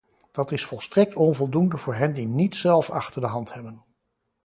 Dat is volstrekt onvoldoende voor hen die niets zelf achter de hand hebben.